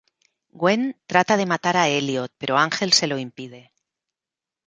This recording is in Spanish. Gwen trata de matar a Elliot pero Ángel se lo impide.